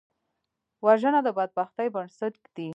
وژنه د بدبختۍ بنسټ ږدي